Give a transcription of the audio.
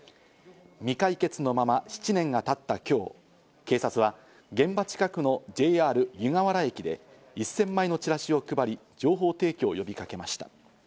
未解決のまま７年が経った今日、警察は現場近くのＪＲ湯河原駅で１０００枚のチラシを配り、情報提供を呼びかけました。